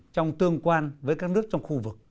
trong tương quan với các nước trong khu vực